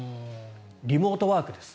リモートワークです。